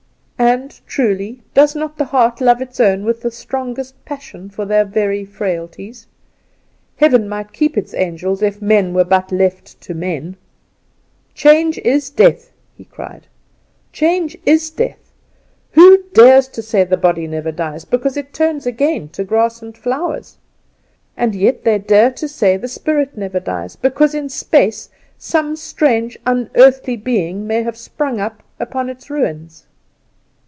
And, truly, does not the heart love its own with the strongest passion for their very frailties? Heaven might keep its angels if men were but left to men. "Change is death," he cried, "change is death! Who dares to say the body never dies, because it turns again to grass and flowers? And yet they dare to say the spirit never dies, because in space some strange unearthly being may have sprung up upon its ruins.